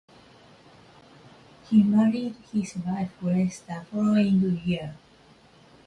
He married his wife Grace the following year.